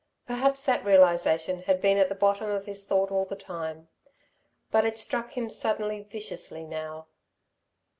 Perhaps that realisation had been at the bottom of his thought all the time; but it struck him suddenly, viciously, now.